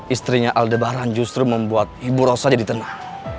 istrinya aldebaran justru membuat ibu rossa jadi tenang